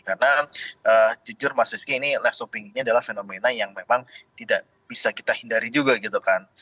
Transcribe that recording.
karena jujur mas rizky ini live shopee ini adalah fenomena yang memang tidak bisa kita hindari juga gitu kan